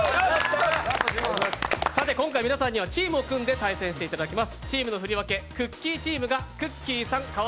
今回皆さんにはチームを組んで対戦していただきます。